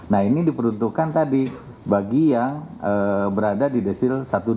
nah ini diperuntukkan tadi bagi yang berada di desil satu ratus dua puluh